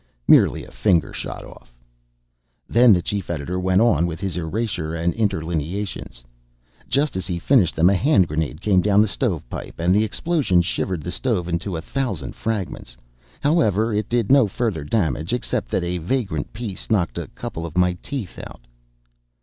Merely a finger shot off. Then the chief editor went on with his erasure; and interlineations. Just as he finished them a hand grenade came down the stove pipe, and the explosion shivered the stove into a thousand fragments. However, it did no further damage, except that a vagrant piece knocked a couple of my teeth out.